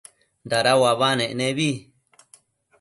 dada uabanec nebi